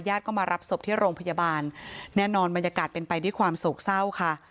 ก็มารับศพที่โรงพยาบาลแน่นอนบรรยากาศเป็นไปด้วยความโศกเศร้าค่ะ